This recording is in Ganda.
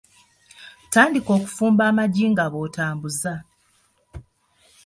Tandika okufumba amagi nga bw'otambuza.